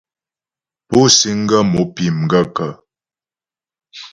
Pú síŋ ghə́ mo pí m gaə̂kə́ ?